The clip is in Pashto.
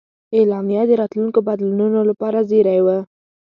اعلامیه د راتلونکو بدلونونو لپاره زېری و.